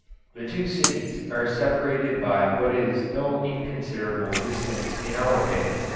The two cities are separated by what is no inconsiderable distance in our day.